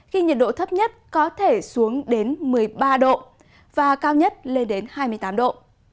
khi nhiệt độ thấp nhất có thể xuống đến một mươi ba độ và cao nhất lên đến hai mươi tám độ